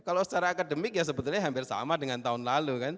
kalau secara akademik ya sebetulnya hampir sama dengan tahun lalu kan